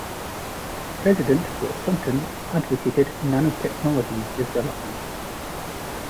President Bill Clinton advocated nanotechnology development.